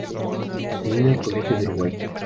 Estudió en el Colegio del Uruguay.